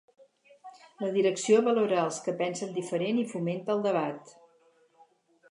La direcció valora els que pensen diferent i fomenta el debat.